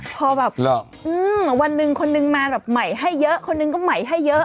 พอแบบวันหนึ่งคนนึงมาแบบใหม่ให้เยอะคนนึงก็ใหม่ให้เยอะ